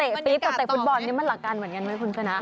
แต่เตะปี๊บกับเตะฟุตบอลมันหลักการเหมือนกันไหมคุณค่ะนะ